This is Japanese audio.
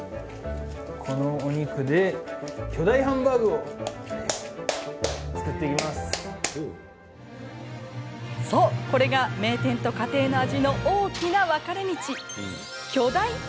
このお肉でそうこれが名店と家庭の味の大きな分かれ道